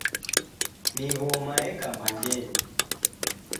Migoma yeka mbangenyi.